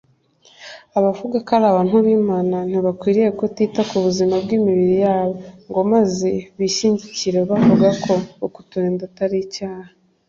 abavuga ko ari abantu b'imana ntibakwiriye kutita ku buzima bw'imibiri yabo, ngo maze bishyigikire bavuga ko ukutirinda atari icyaha